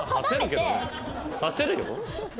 刺せるよ？